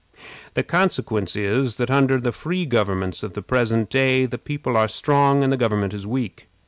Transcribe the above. The consequence is, that under the free governments of the present day the people are strong and the government is weak.